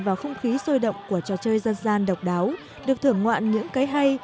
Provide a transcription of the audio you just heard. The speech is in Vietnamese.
vào không khí sôi động của trò chơi dân gian độc đáo được thưởng ngoạn những cái hay